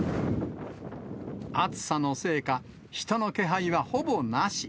暑さのせいか、人の気配はほぼなし。